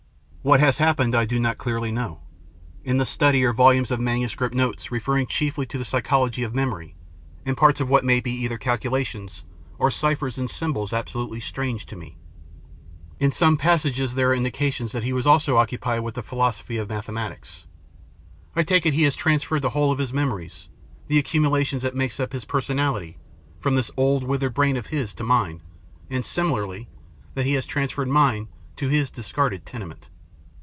What has happened I do not clearly know. In the study are volumes of manuscript notes referring chiefly to the psychology of memory, and parts of what may be either calculations or ciphers in symbols absolutely strange to me. In some passages there are indications that he was also occupied with the philosophy of mathematics. I take it he has trans ferred the whole of his memories, the accumulation that makes up his personality, from this old withered brain of his to mine, and, similarly, that he has transferred mine to his discarded tenement.